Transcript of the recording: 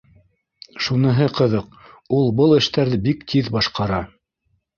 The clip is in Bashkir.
Шуныһы ҡыҙыҡ: ул был эштәрҙе бик тиҙ башҡара.